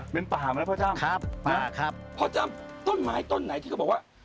เป็นป่าเหรอพ่อจ้ำพ่อจ้ำต้นไม้ต้นไหนที่เขาบอกว่า